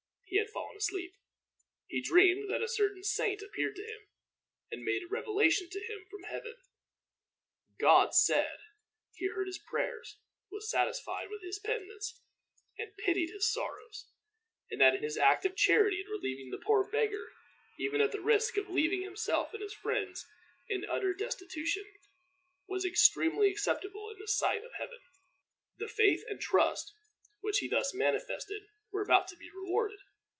He had fallen asleep. He dreamed that a certain saint appeared to him, and made a revelation to him from heaven. God, he said, had heard his prayers, was satisfied with his penitence, and pitied his sorrows; and that his act of charity in relieving the poor beggar, even at the risk of leaving himself and his friends in utter destitution, was extremely acceptable in the sight of Heaven. The faith and trust which he thus manifested were about to be rewarded.